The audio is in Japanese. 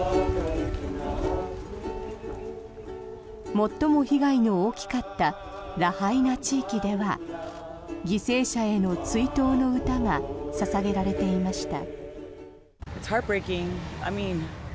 最も被害の大きかったラハイナ地域では犠牲者への追悼の歌が捧げられていました。